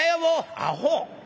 「アホ！